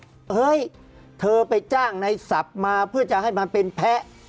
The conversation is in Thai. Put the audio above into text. เฮ้ยเธอไปจ้างในศัพท์มาเพื่อจะให้มันเป็นแพ้